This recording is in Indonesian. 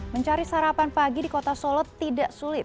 mencari sarapan pagi di kota solo tidak sulit